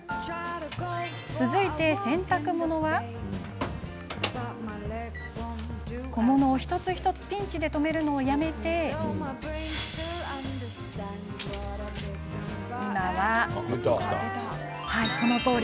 続いて、洗濯物は小物を一つ一つピンチで留めるのをやめて今は、このとおり。